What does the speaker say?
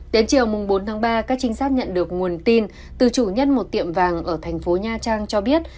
đến chiều bốn tháng ba các trinh sát nhận được nguồn tin từ chủ nhân một tiệm vàng ở thành phố nha trang cho biết